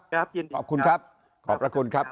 ครับยินดีครับขอบคุณครับขอบคุณครับ